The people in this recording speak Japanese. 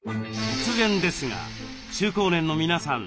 突然ですが中高年の皆さん